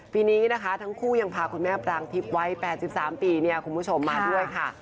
ปีนี้นะคะทั้งคู่ยังพาคุณแม่ปรางทิพย์วัย๘๓ปีคุณผู้ชมมาด้วยค่ะ